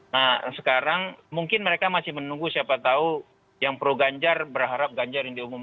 nah sekarang mungkin mereka masih menunggu siapa tahu yang pro ganjar berharap ganjar yang diumumkan